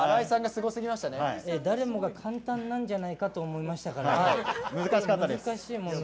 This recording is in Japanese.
誰もが簡単なんじゃないかと思いましたから。